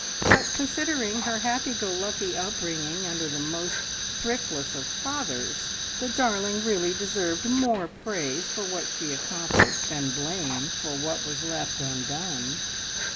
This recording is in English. but considering her happy go lucky upbringing under the most thriftless of fathers, the darling really deserved more praise for what she accomplished than blame for what was left undone.